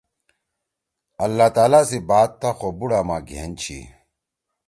)اللّٰہ تعالٰی سی بات تا خو بُوڑا ما گھین چھی(